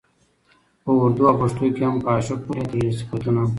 په اردو او پښتو کې هم په عاشق پورې تړلي صفتونه